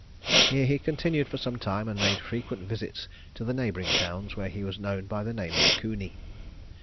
Here he continued for some time, and made frequent visits to the neighbouring towns, where he was known by the name of Cooney.